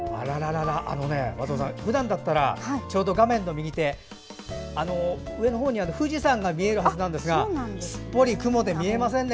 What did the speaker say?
松尾さん、ふだんだったら画面の右手上のほうに富士山が見えるはずなんですがすっぽり雲で見えませんね